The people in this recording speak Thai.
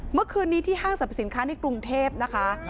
เมื่อคืนนี้ที่ห้างสรรพสินค้าในกรุงเทพนะคะ